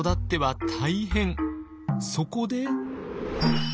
そこで。